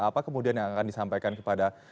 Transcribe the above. apa kemudian yang akan disampaikan kepada